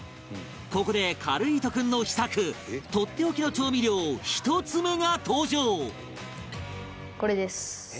ここでかるぃーと君の秘策とっておきの調味料１つ目が登場